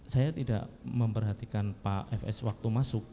saya tidak memperhatikan pak fs waktu masuk